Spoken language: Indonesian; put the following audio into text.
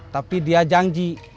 tapi dia janji